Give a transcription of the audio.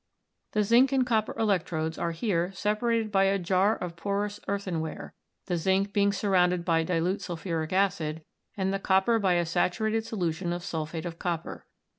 The zinc and copper electrodes are here separated by a jar of porous earthenware, the zinc being surrounded by dilute sulphuric acid and the copper by a saturated solution of sulphate of copper.